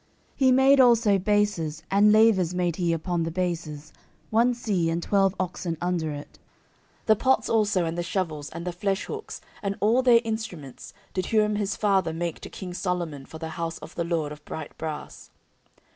14:004:014 He made also bases, and lavers made he upon the bases; 14:004:015 One sea, and twelve oxen under it. 14:004:016 The pots also, and the shovels, and the fleshhooks, and all their instruments, did Huram his father make to king Solomon for the house of the LORD of bright brass.